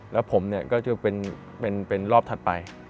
แล้วผมก็จะเป็นรอบถัดไป